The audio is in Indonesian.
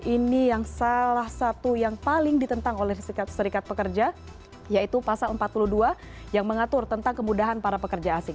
ini yang salah satu yang paling ditentang oleh serikat pekerja yaitu pasal empat puluh dua yang mengatur tentang kemudahan para pekerja asing